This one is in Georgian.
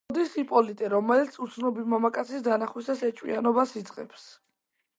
მოდის იპოლიტე, რომელიც, უცნობი მამაკაცის დანახვისას ეჭვიანობას იწყებს.